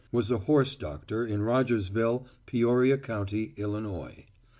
was a horse doctor in Rogersville, Peoria County, Illinois.